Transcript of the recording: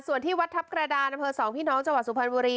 ส่วนที่วัดทัพกระดานอสองพี่น้องจสุพรรณบุรี